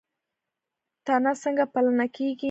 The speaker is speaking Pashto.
تنه څنګه پلنه کیږي؟